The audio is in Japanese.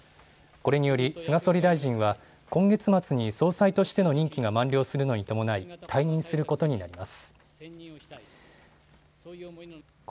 これにより菅総理大臣は、今月末に総裁としての任期が満了するのに伴い、退任することになります。